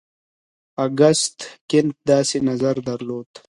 اګوست کنت داسې نظر درلود.